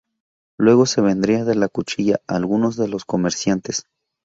Luego se vendría de la Cuchilla, algunos de los comerciantes.